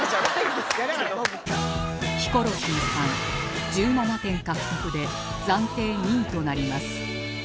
ヒコロヒーさん１７点獲得で暫定２位となります